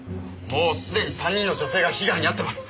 もうすでに３人の女性が被害に遭ってます。